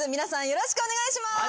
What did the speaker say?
よろしくお願いします。